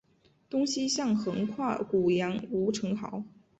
东西向横跨古杨吴城壕。